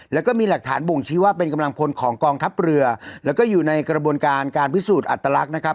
แล้วก็มีหลักฐานบ่งชี้ว่าเป็นกำลังพลของกองทัพเรือแล้วก็อยู่ในกระบวนการการพิสูจน์อัตลักษณ์นะครับ